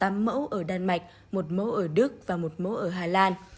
tám mẫu ở đan mạch một mẫu ở đức và một mẫu ở hà lan